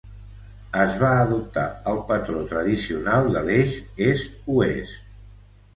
Es va adoptar el patró tradicional de l"eix est-oest.